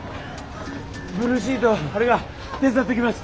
ブルーシート張るが手伝ってきます。